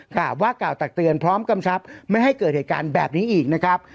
กล่าวว่ากล่าวตักเตือนพร้อมกำชับไม่ให้เกิดเหตุการณ์แบบนี้อีกนะครับ